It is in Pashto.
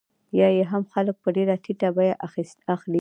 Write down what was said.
یا یې هم خلک په ډېره ټیټه بیه اخلي